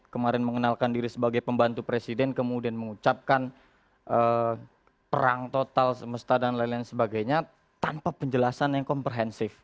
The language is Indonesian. kemarin mengenalkan diri sebagai pembantu presiden kemudian mengucapkan perang total semesta dan lain lain sebagainya tanpa penjelasan yang komprehensif